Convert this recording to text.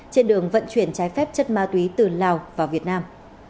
trên đường vận chuyển trái phép chất ma túy từ lào vào việt nam